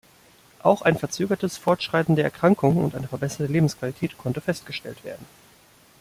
Auch ein verzögertes Fortschreiten der Erkrankung und eine verbesserte Lebensqualität konnte festgestellt werden.